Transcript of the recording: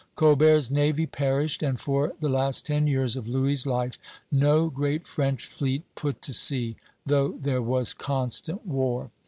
Colbert's navy perished, and for the last ten years of Louis' life no great French fleet put to sea, though there was constant war.